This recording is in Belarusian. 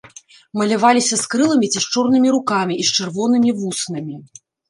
Маляваліся з крыламі ці з чорнымі рукамі і з чырвонымі вуснамі.